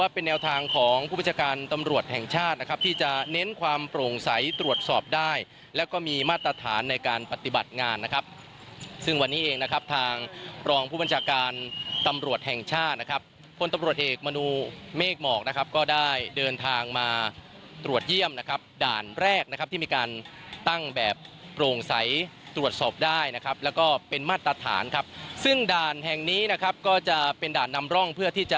โปร่งใสตรวจสอบได้และก็มีมาตรฐานในการปฏิบัติงานนะครับซึ่งวันนี้เองนะครับทางรองผู้บัญชาการตำรวจแห่งชาตินะครับคนตำรวจเอกมณูเมกหมอกนะครับก็ได้เดินทางมาตรวจเยี่ยมนะครับด่านแรกนะครับที่มีการตั้งแบบโปร่งใสตรวจสอบได้นะครับแล้วก็เป็นมาตรฐานครับซึ่งด่านแห่งนี้นะครับก็จะเป็นด่านนำร่อง